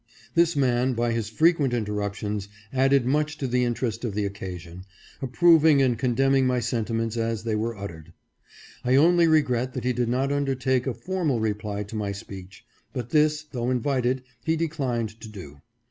This man, by his frequent interruptions, added much to the interest of the occasion, approving and con demning my sentiments as they were uttered. I only regret that he did not undertake a formal reply to my speech, but this, though invited, he declined to do.